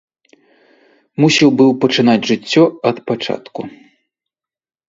Мусіў быў пачынаць жыццё ад пачатку.